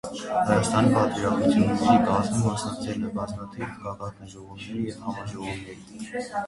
Հայաստանի պատվիրակությունների կազմում մասնակցել է բազմաթիվ գագաթաժողովների և համաժողովների։